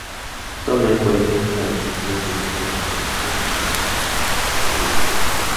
Tomen, por ejemplo, la decisión del secuestro de Hanns Martin Schleyer.